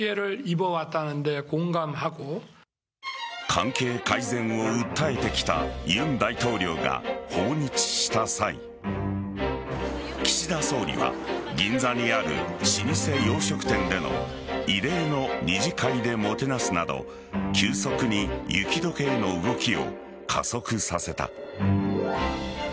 関係改善を訴えてきた尹大統領が訪日した際岸田総理は銀座にある老舗洋食店での異例の２次会でもてなすなど急速に雪解けへの動きを加速させた。